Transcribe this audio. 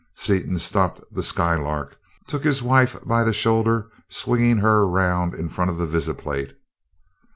Seaton stopped the Skylark and took his wife by the shoulder, swinging her around in front of the visiplate.